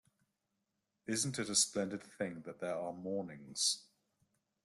Isn’t it a splendid thing that there are mornings?